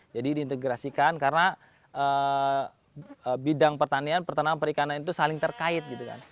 jadi diintegrasikan karena bidang pertanian peternakan dan perikanan itu saling terkait gitu kan